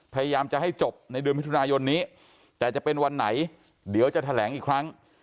พยายามจะให้จบในเดือนมิถุนายนนี้แต่จะเป็นวันไหนเดี๋ยวจะแถลงอีกครั้ง